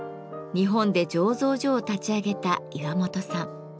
日本で醸造所を立ち上げた岩本さん。